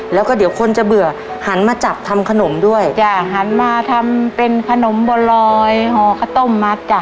แล้วก็เดี๋ยวคนจะเบื่อหันมาจับทำขนมด้วยจ้ะหันมาทำเป็นขนมบัวลอยห่อข้าวต้มมัดจ้ะ